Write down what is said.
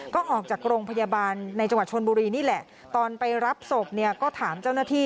ก็ออกจากโรงพยาบาลในจังหวัดชนบุรีนี่แหละตอนไปรับศพเนี่ยก็ถามเจ้าหน้าที่